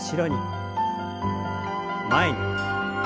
前に。